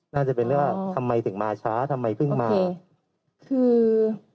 น่าจะเป็นเรื่องว่าทำไมถึงมาช้าทำไมเพิ่งมาคือ